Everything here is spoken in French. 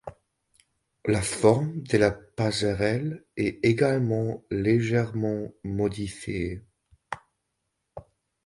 La forme de la passerelle est également légèrement modifiée.